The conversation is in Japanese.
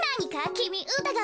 きみうたがうの？